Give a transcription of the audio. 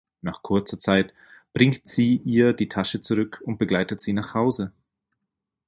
Nach kurzer Zeit bringt sie ihr die Tasche zurück und begleitet sie nach Hause.